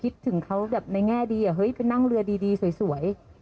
คิดถึงเขาแบบในแง่ดีเฮ้ยไปนั่งเรือดีสวย